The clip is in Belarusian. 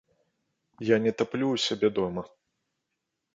Я не таплю ў сябе дома.